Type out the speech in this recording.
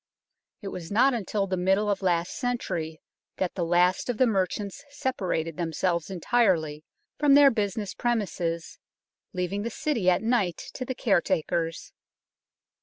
It was not until the middle of last century that the last of the merchants separated themselves entirely from their business premises, leaving the City at night to the caretakers.